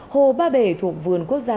hồ ba bể thuộc vườn quốc gia